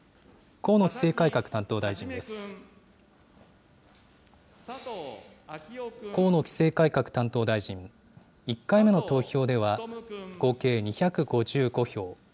河野規制改革担当大臣、１回目の投票では、合計２５５票。